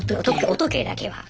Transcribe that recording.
お時計だけは。